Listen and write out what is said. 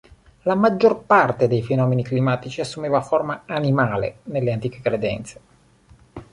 La maggior parte dei fenomeni climatici assumeva forma animale nelle antiche credenze.